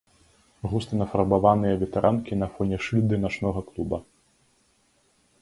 Густа нафарбаваныя ветэранкі на фоне шыльды начнога клуба.